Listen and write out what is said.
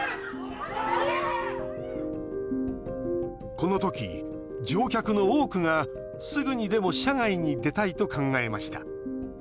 このとき、乗客の多くがすぐにでも車外に出たいと考えました。